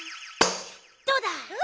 どうだ？